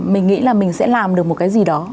mình nghĩ là mình sẽ làm được một cái gì đó